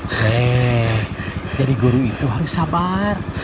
oke jadi guru itu harus sabar